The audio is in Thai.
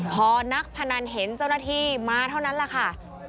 พอนักพนันเห็นเจ้าหน้าที่มาเท่านั้นแหละค่ะ